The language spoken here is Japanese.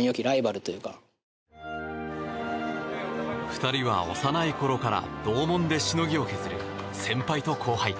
２人は幼いころから同門でしのぎを削る先輩と後輩。